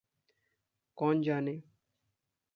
कौन जाने?